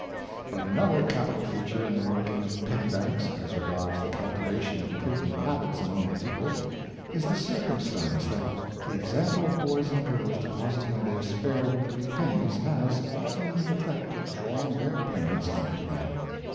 But another capital feature in the working of penny banks, as regards the cultivation of prudent habits Influence of Penny Banks, 439 among the people, is the circumstance that the example of boys and girls depositing their spare weekly pennies has often the effect of drawing their parents after them.